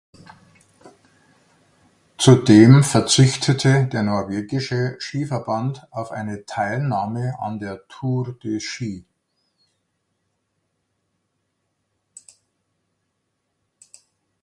Zudem verzichtete der norwegische Skiverband auf eine Teilnahme an der Tour de Ski.